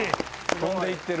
飛んで行ってる！